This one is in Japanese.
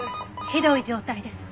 ひどい状態です。